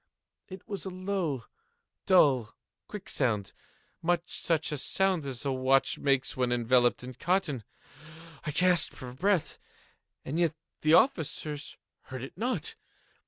It was a low, dull, quick sound—much such a sound as a watch makes when enveloped in cotton. I gasped for breath—and yet the officers heard it not.